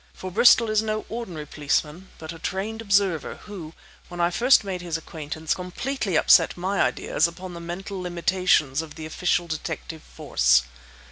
For Bristol is no ordinary policeman, but a trained observer, who, when I first made his acquaintance, completely upset my ideas upon the mental limitations of the official detective force.